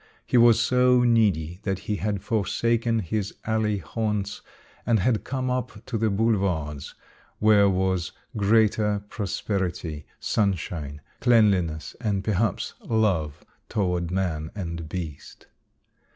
He was so needy that he had forsaken his alley haunts and had come up to the boulevards where was greater prosperity, sunshine, cleanliness, and perhaps love toward man and beast.